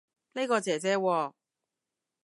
呢個姐姐喎